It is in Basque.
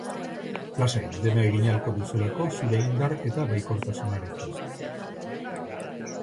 Lasai, dena egin ahalko duzulako zure indar eta baikortasunarekin.